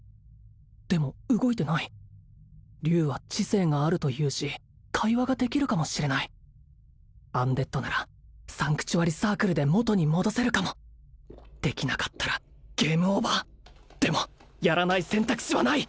でも動いてない龍は知性があるというし会話ができるかもしれないアンデッドならサンクチュアリサークルで元に戻せるかもできなかったらゲームオーバーでもやらない選択肢はない！